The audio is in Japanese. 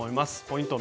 ポイント